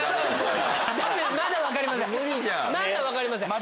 まだ分かりません。